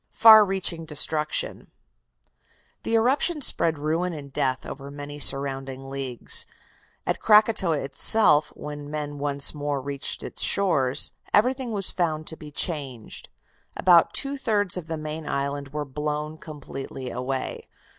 FAR REACHING DESTRUCTION The eruption spread ruin and death over many surrounding leagues. At Krakotoa itself, when men once more reached its shores, everything was found to be changed. About two thirds of the main island were blown completely away.